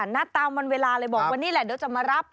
หน้าตามวันเวลาเลยบอกว่านี่แหละเดี๋ยวจะมารับ